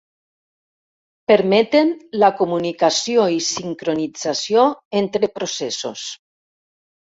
Permeten la comunicació i sincronització entre processos.